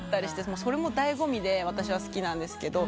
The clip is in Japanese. それも醍醐味で私は好きなんですけど。